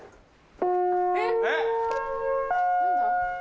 えっ何だ？